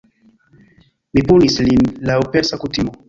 Mi punis lin laŭ Persa kutimo.